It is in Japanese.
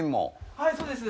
はいそうです。